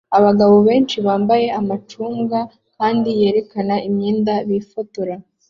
Abagabo benshi bambaye amacunga kandi yerekana imyenda bifotora